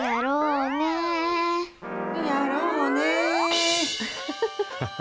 やろうねぇ。